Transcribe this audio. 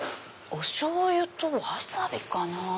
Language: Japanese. おしょうゆとわさびかな？